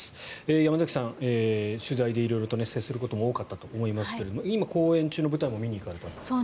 山崎さん、取材で色々と接することも多かったと思いますが今、公演中の舞台も見に行かれたと。